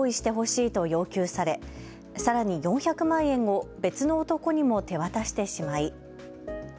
電話で追加の現金を用意してほしいと要求されさらに４００万円を別の男にも手渡してしまい。